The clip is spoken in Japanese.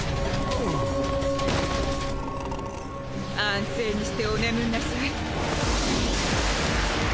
安静にしてお眠んなさい。